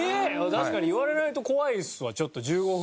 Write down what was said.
確かに言われないと怖いっすわちょっと１５分は。